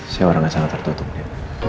si orangnya sangat tertutup nia